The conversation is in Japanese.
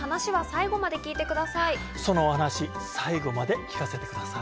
その話、最後まで聞かせてください。